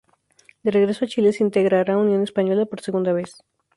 De regreso a Chile, se integra a Unión Española por segunda vez.